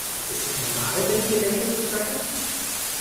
Ist es normal, wenn die Gelenke so knacken?